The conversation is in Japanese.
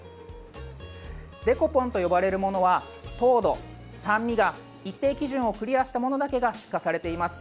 デコポンと呼ばれるものは糖度、酸味が一定基準をクリアしたものだけが出荷されています。